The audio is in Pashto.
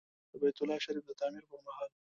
د بیت الله شریف د تعمیر پر مهال.